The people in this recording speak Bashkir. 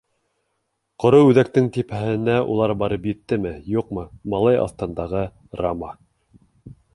Ҡоро Үҙәктең типһәненә улар барып еттеме, юҡмы, малай аҫтындағы Рама...